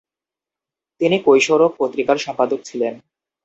তিনি কৈশোরক পত্রিকার সম্পাদক ছিলেন।